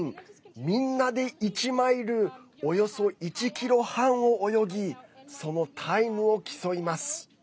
みんなで１マイルおよそ１ｋｍ半を泳ぎそのタイムを競います。